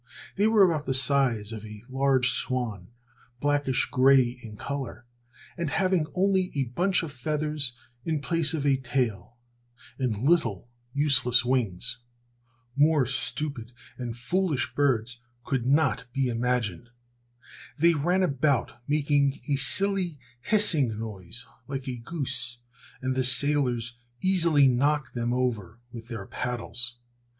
They were about the size of a large swan, blackish gray in color and having only a bunch of feathers in place of a tail, and little, useless wings. More stupid and foolish birds could not be imagined. They ran about making a silly, hissing noise like a goose, and the sailors easily knocked them over with their paddles.